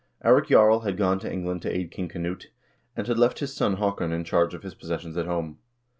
Eirik Jarl had gone to Eng land to aid King Knut, and had left his son Haakon in charge of his possessions at home.